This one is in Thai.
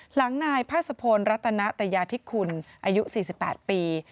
หลังนายพาศพลรัตนตยาธิคุณอายุ๔๘ปี